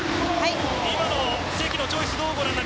今の関のチョイス